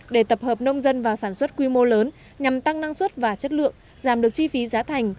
để tập hợp nông dân vào sản xuất quy mô lớn nhằm tăng năng suất và chất lượng giảm được chi phí giá thành